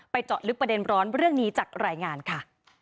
เจาะลึกประเด็นร้อนเรื่องนี้จากรายงานค่ะ